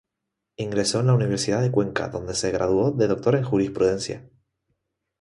Ingresó en la Universidad de Cuenca, donde se graduó de doctor en jurisprudencia.